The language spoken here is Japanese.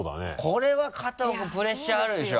これは加藤君プレッシャーあるでしょ？